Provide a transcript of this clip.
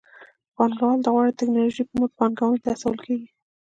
پانګوال د غوره ټکنالوژۍ پر مټ پانګونې ته هڅول کېږي.